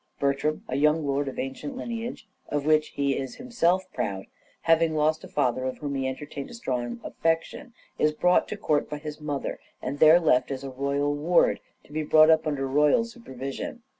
Bertram, a young lord of ancient lineage, of which he is himself proud, having lost a father for whom he entertained a strong affection, is brought to court by his mother and there left as a royal ward, to be brought up under royal supervision.